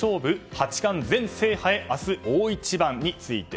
八冠全制覇へ明日大一番です。